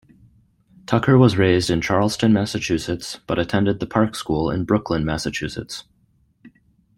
Tucker was raised in Charlestown, Massachusetts, but attended The Park School in Brookline, Massachusetts.